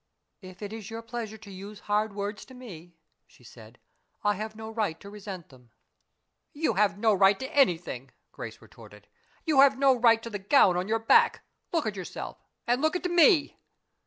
"If it is your pleasure to use hard words to me," she said, "I have no right to resent them." "You have no right to anything!" Grace retorted. "You have no right to the gown on your back. Look at yourself, and look at Me!"